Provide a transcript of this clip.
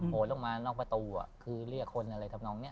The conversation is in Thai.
โหดลงมานอกประตูคือเรียกคนอะไรทำนองนี้